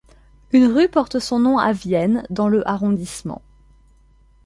Une rue porte son nom à Vienne dans le arrondissement.